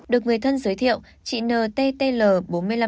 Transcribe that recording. được người thân giới thiệu chị n t t l